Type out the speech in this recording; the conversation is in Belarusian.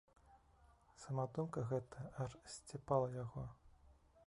Сама думка гэтая аж сцепала яго.